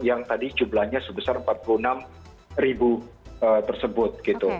yang tadi jumlahnya sebesar empat puluh enam ribu tersebut